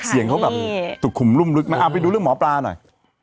เสียงเขาแบบสุขุมรุ่มลึกไหมเอาไปดูเรื่องหมอปลาหน่อย